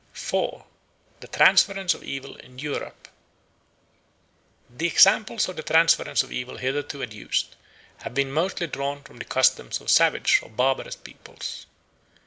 4. The Transference of Evil in Europe THE EXAMPLES of the transference of evil hitherto adduced have been mostly drawn from the customs of savage or barbarous peoples.